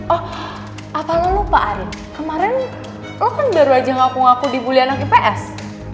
oh apa lo lupa ari kemarin lo kan baru aja ngaku ngaku dibully anak ips